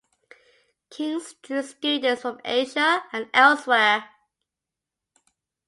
King's drew students from Asia and elsewhere.